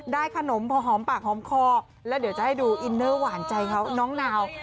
ขนมพอหอมปากหอมคอแล้วเดี๋ยวจะให้ดูอินเนอร์หวานใจเขาน้องนาว